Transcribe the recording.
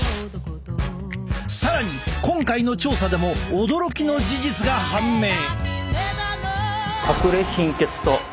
更に今回の調査でも驚きの事実が判明！